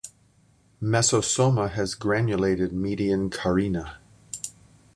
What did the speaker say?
Mesosoma has granulated median carina.